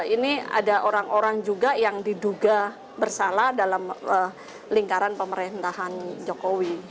ini ada orang orang juga yang diduga bersalah dalam lingkaran pemerintahan jokowi